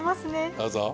どうぞ。